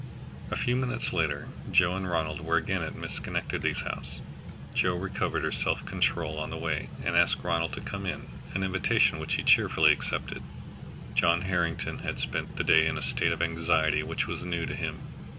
A few minutes later, Joe and Ronald were again at Miss Schenectady's house. Joe recovered her self control on the way, and asked Ronald to come in, an invitation which he cheerfully accepted. John Harrington had spent the day in a state of anxiety which was new to him.